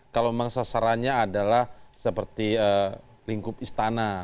kalau memang sasarannya adalah seperti lingkup istana